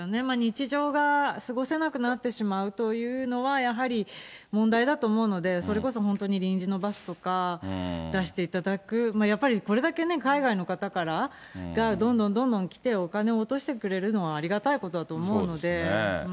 日常が過ごせなくなってしまうというのはやはり問題だと思うので、それこそ本当に臨時のバスとか出していただく、やっぱりこれだけね、海外の方から、どんどんどんどん来て、お金を落としてくれるのはありがたいことだと思うので。